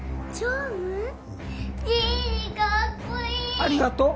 ありがとう